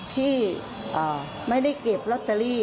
ที่ไม่ได้เก็บลอตเตอรี่